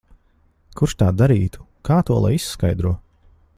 Kurš tā darītu? Kā to lai izskaidro?